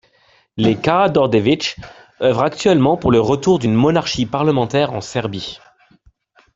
Les Karađorđević œuvrent actuellement pour le retour d'une monarchie parlementaire en Serbie.